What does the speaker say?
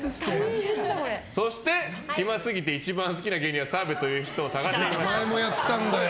そして、暇すぎて一番好きな芸人は澤部という人を前もやったんだよ。